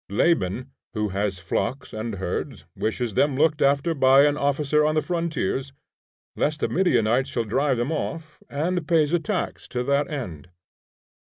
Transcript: Laban, who has flocks and herds, wishes them looked after by an officer on the frontiers, lest the Midianites shall drive them off; and pays a tax to that end.